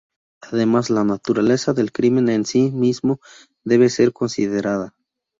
Además, la naturaleza del crimen en sí mismo debe ser considerada.